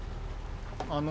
あの。